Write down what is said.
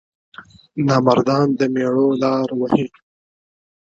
نامردان دمیړو لار وهي